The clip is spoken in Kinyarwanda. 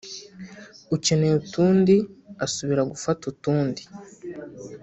ukeneye utundi asubira gufata utundi